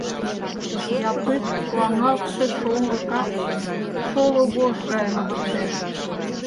Япык пуаҥалтше шоҥго капшым шоло вож гай лывыртен.